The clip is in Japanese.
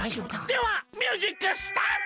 ではミュージックスタート！